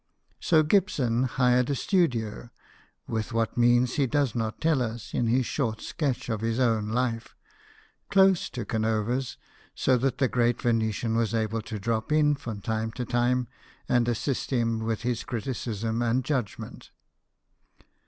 So Gibson hired a studio (with what means he does not tell us in his short sketch of his own life) close to Canova's, so that the great Venetian was able to drop in from time to time and as 76 BIOGRAPHIES OF WORKING MEN. sist him with his criticism and judgment.